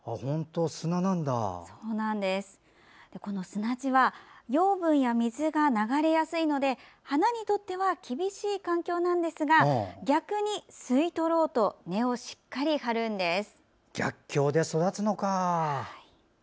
砂地は養分や水が流れやすいので花にとっては厳しい環境なんですが逆に、吸い取ろうと根をしっかり張るんです。